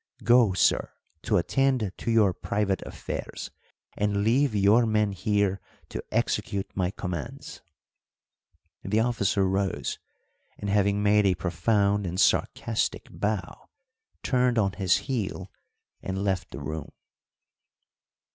Go, sir, to attend to your private affairs, and leave your men here to execute my commands." The officer rose, and, having made a profound and sarcastic bow, turned on his heel and left the room.